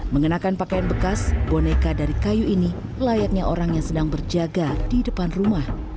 mengenakan pakaian bekas boneka dari kayu ini layaknya orang yang sedang berjaga di depan rumah